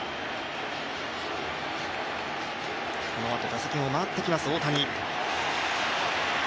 このあと、打席も回ってきます大谷。